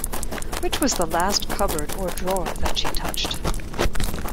Which was the last cupboard or drawer that she touched?